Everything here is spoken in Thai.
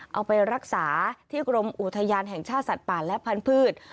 เอาไปรักษาที่กรมอุทยานแห่งชาติสัตว์ป่าและพันธุ์